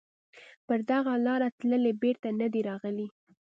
په دغه لاره تللي بېرته نه دي راغلي